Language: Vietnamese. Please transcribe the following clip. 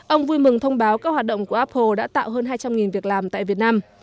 ông vui mừng thông báo các hoạt động của apple đã tạo hơn hai trăm linh việc làm tại việt nam